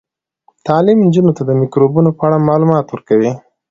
تعلیم نجونو ته د میکروبونو په اړه معلومات ورکوي.